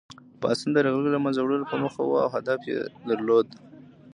پاڅون د یرغلګرو له منځه وړلو په موخه وو او هدف یې درلود.